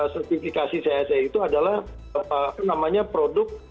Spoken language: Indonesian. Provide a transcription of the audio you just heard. sertifikasi chse itu adalah namanya produk